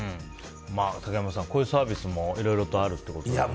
竹山さん、こういうサービスもいろいろとあるそうですけど。